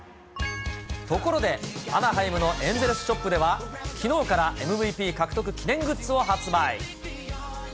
ところで、アナハイムのエンゼルスショップでは、きのうからＭＶＰ獲得記念グッズを発売。